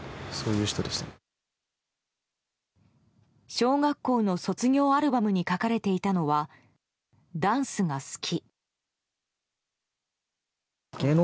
小学校の卒業アルバムに書かれていたのはダンスが好き。